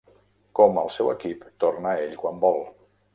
Com el seu equip torna a ell quan vol.